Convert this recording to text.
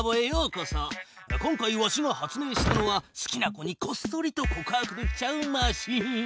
今回わしが発明したのは好きな子にこっそりと告白できちゃうマシン。